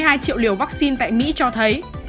với một trăm tám mươi hai triệu liều vắc xin tại mỹ cho thấy